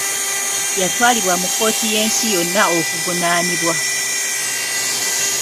Yatwalibwa mu kkooti y'ensi yonna okuvunaanibwa.